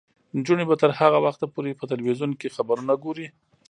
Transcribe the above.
نجونې به تر هغه وخته پورې په تلویزیون کې خبرونه ګوري.